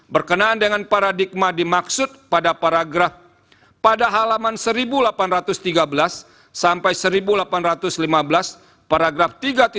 berkenaan dengan paradigma dimaksud pada paragraf pada halaman seribu delapan ratus tiga belas sampai seribu delapan ratus lima belas paragraf tiga ratus tiga puluh